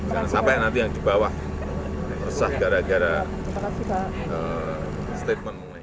saya sampaikan nanti yang di bawah resah gara gara statement mulai